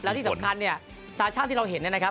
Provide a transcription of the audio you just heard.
แล้วที่สำคัญเนี่ยตาชั่งที่เราเห็นเนี่ยนะครับ